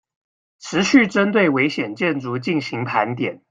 持續針對危險建築進行盤點